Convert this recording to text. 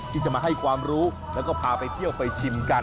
ที่จะมาให้ความรู้แล้วก็พาไปเที่ยวไปชิมกัน